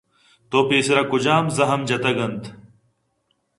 تو پیسرا کجام زحم جتگ اَنت